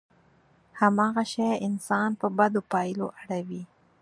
هماغه شی انسان په بدو پايلو اړوي.